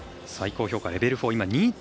最高評価レベル